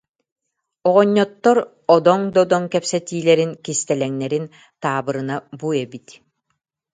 Оҕонньоттор одоҥ-додоҥ кэпсэтиилэрин, кистэлэҥнэрин таабырына бу эбит